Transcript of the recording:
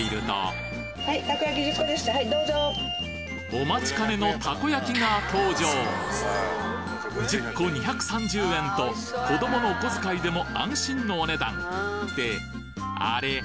お待ちかねのたこ焼きが登場１０個２３０円と子どものお小遣いでも安心のお値段ってあれ？